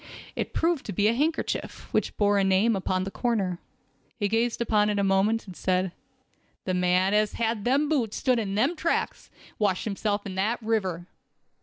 It proved to be a handkerchief, which bore a name upon the corner. He gazed upon it a moment, and said: "The man as had on them boots stood in them tracks, and washed himself in that river.